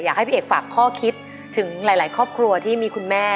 อยากให้พี่เอกฝากข้อคิดถึงหลายครอบครัวที่มีคุณแม่